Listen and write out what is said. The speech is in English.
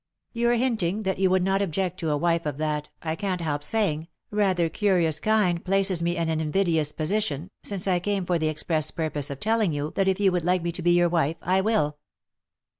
" Your hinting that you would not object to a wife of that, I can't help saying, rather curious kind places me in an invidious position, since I came for the express purpose of telling you that if you would like me to be your wife I will."